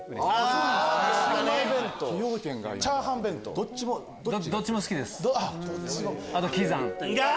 どっちも好きです。